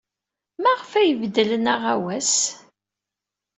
Maɣef ay beddlen aɣawas?